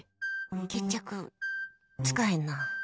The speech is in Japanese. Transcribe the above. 決着つかへんな。